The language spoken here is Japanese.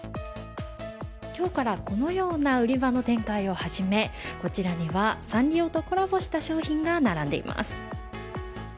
今日からこのような売り場の展開を始めこちらにはサンリオとコラボした商品が並んでいます。